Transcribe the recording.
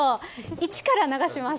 １から流します。